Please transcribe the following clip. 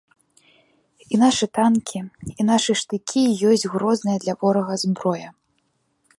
І нашы танкі, і нашы штыкі ёсць грозная для ворага зброя.